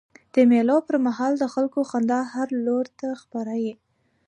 د مېلو پر مهال د خلکو خندا هر لور ته خپره يي.